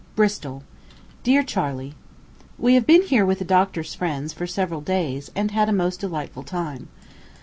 BRISTOL DEAR CHARLEY: We have been here with the doctor's friends for several days, and had a most delightful time.